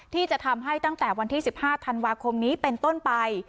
ที่จะทำให้ตั้งแต่วันที่๑๕ธันวาคมนี้เป็นต้นไป